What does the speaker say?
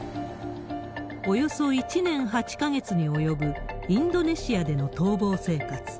およそ１年８か月に及ぶインドネシアでの逃亡生活。